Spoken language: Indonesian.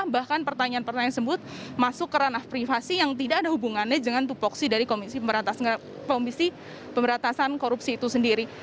bahkan pertanyaan pertanyaan tersebut masuk ke ranah privasi yang tidak ada hubungannya dengan tupoksi dari komisi pemberantasan korupsi itu sendiri